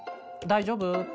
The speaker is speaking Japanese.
大丈夫？